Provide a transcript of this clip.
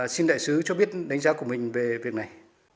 xin đại sứ cho biết đánh giá của mình về việc này